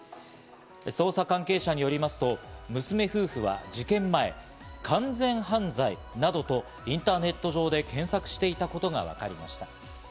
捜査関係者によりますと娘夫婦は事件前、「完全犯罪」などとインターネット上で検索していたことがわかりました。